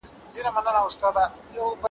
نه مو زخم ته مرهم دي پیدا کړي `